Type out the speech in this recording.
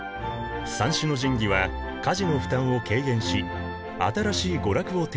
三種の神器は家事の負担を軽減し新しい娯楽を提供した。